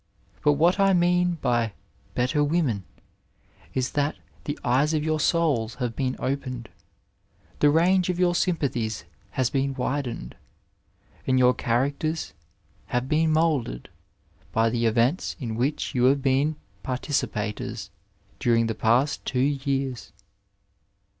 But what I mean by " better women " is that the eyes of your souls have been opened, the range of your sympathies has been widened, and your characters have been moulded by the events in which you have been participators during the past two years.